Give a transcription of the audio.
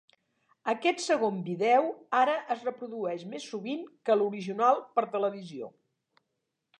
Aquest segon vídeo ara es reprodueix més sovint que l'original per televisió.